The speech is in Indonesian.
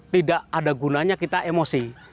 tidak ada gunanya kita emosi